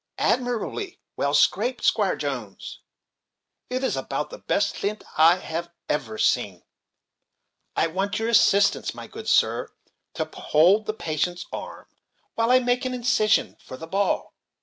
"Admirably well scraped, Squire Jones: it is about the best lint I have ever seen. I want your assistance, my good sir, to hold the patient's arm while I make an incision for the ball.